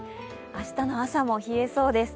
明日の朝も冷えそうです。